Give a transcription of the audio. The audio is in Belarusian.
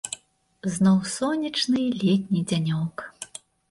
Зноў сонечны летні дзянёк.